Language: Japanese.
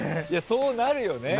そうなるよね。